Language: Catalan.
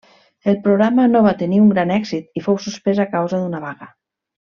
El programa no va tenir un gran èxit, i fou suspès a causa d'una vaga.